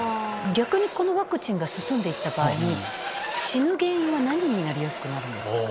逆にこのワクチンが進んでいった場合に、死ぬ原因は何になりやすくなるんですか？